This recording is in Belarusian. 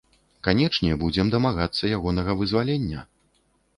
Канечне, будзем дамагацца ягонага вызвалення.